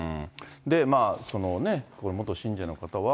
これ、元信者の方は。